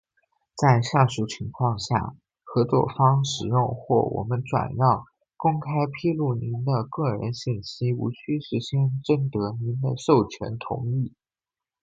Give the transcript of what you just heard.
在下述情况下，合作方使用，或我们转让、公开披露您的个人信息无需事先征得您的授权同意：